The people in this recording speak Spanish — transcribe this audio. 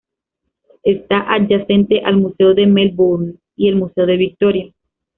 Está adyacente al Museo de Melbourne y el Museo de Victoria.